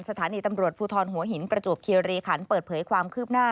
สถานีตำรวจภูทรหัวหินประจวบเคียรีขันเปิดเผยความคืบหน้า